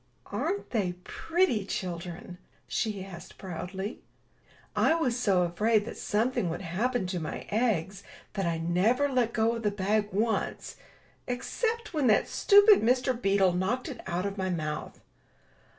Aren't they pretty children?" she asked, proudly. *'l was so afraid that something would happen to my eggs that I never let go of the bag once, except when that stupid Mr. Beetle knocked it out of my mouth."